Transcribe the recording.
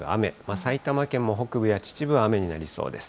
埼玉県も北部や秩父は雨になりそうです。